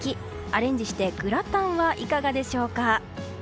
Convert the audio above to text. アレンジしてグラタンはいかがでしょうか。